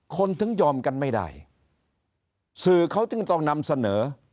คนถึงยอมกันไม่ได้สื่อเขาจึงต้องนำเสนอ